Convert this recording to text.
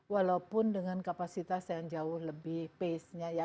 walaupun dengan kapasitas yang jauh lebih pace nya ya